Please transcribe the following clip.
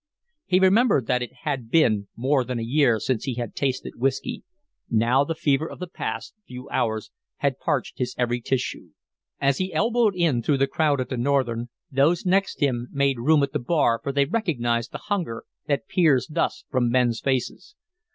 He remembered that it had been more than a year since he had tasted whiskey. Now the fever of the past few hours had parched his every tissue. As he elbowed in through the crowd at the Northern, those next him made room at the bar for they recognized the hunger that peers thus from men's faces.